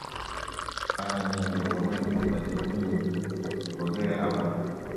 Ayani ale konon kacherunenyu nepo key abor.